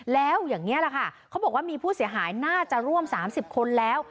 แล้วอย่างนี้แหละค่ะเขาบอกว่ามีผู้เสียหายน่าจะร่วม๓๐คนแล้ว